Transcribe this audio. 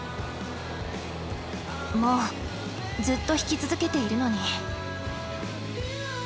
もうずっと弾き続けているのに。